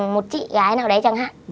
một chị gái nào đấy chẳng hạn